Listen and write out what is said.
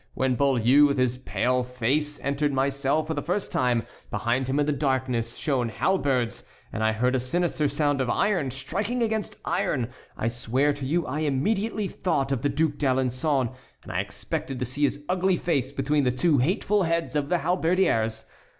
When Beaulieu, with his pale face, entered my cell for the first time, behind him in the darkness shone halberds, and I heard a sinister sound of iron striking against iron. I swear to you I immediately thought of the Duc d'Alençon, and I expected to see his ugly face between the two hateful heads of the halberdiers.